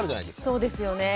そうですよね。